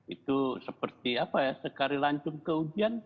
itu seperti apa ya sekali lancung ke ujian